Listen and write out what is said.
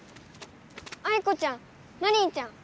アイコちゃんマリンちゃん。